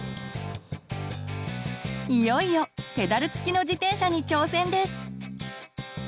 いよいよペダル付きの自転車に挑戦です！